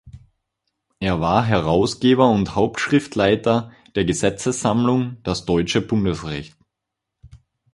Er war Herausgeber und Hauptschriftleiter der Gesetzessammlung „Das deutsche Bundesrecht“.